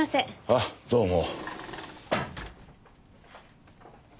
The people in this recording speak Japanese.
あどうも。